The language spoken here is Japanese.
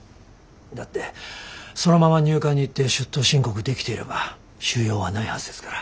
だってそのまま入管に行って出頭申告できていれば収容はないはずですから。